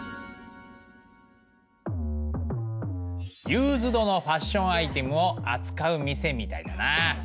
ユーズドのファッションアイテムを扱う店みたいだな。